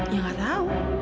ya nggak tau